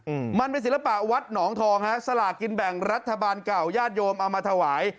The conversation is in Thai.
อืมมันเป็นศิลปะวัดหนองทองฮะสลากินแบ่งรัฐบาลเก่าญาติโยมเอามาถวาย